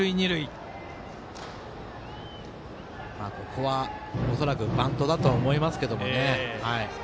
ここは恐らくバントだとは思いますけれどもね。